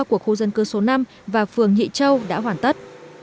của khu dân cư số năm và phường nhị châu đã hoàn tất